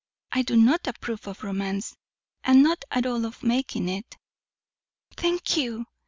I do not approve of romance, and not at all of making it." "Thank you!"